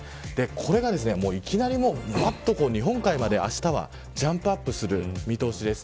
これが、いきなり日本海まであしたはジャンプアップする見通しです。